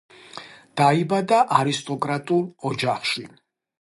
დაიბადა არისტოკრატულ ოჯახში.